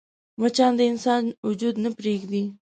مچان د انسان وجود نه پرېږدي